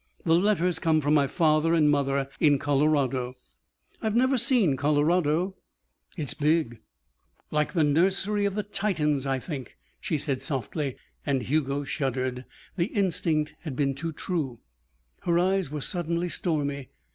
The letters come from my father and mother in Colorado." "I've never seen Colorado." "It's big " "Like the nursery of the Titans, I think," she said softly, and Hugo shuddered. The instinct had been too true. Her eyes were suddenly stormy.